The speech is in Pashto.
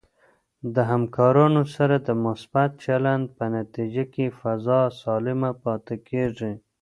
د همکارانو سره د مثبت چلند په نتیجه کې فضا سالمه پاتې کېږي.